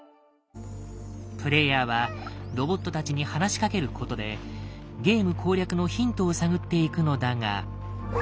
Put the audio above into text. プレイヤーはロボットたちに話しかけることでゲーム攻略のヒントを探っていくのだが。